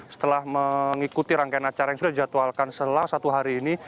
setelah mengikuti rangkaian acara yang sudah dijadwalkan setelah satu hari ini